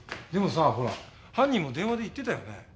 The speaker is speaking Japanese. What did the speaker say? でもさほら犯人も電話で言ってたよね？